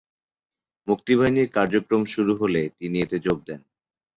মুক্তিবাহিনীর কার্যক্রম শুরু হলে তিনি এতে যোগ দেন।